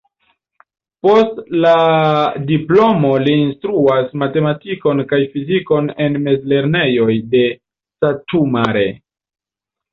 Post la diplomo li instruas matematikon kaj fizikon en mezlernejoj de Satu Mare.